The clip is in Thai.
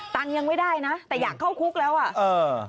ยังไม่ได้นะแต่อยากเข้าคุกแล้วอ่ะเออ